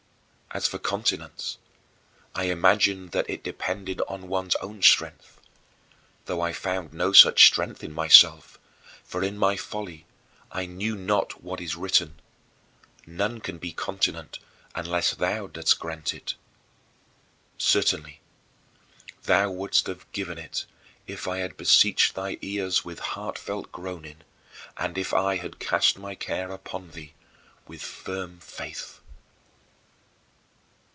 As for continence, I imagined that it depended on one's own strength, though I found no such strength in myself, for in my folly I knew not what is written, "None can be continent unless thou dost grant it." Certainly thou wouldst have given it, if I had beseeched thy ears with heartfelt groaning, and if I had cast my care upon thee with firm faith.